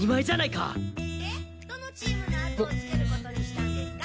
でどのチームのあとをつけることにしたんですか？